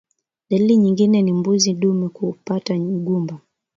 Dalili nyingine ni mbuzi dume kuapata ugumba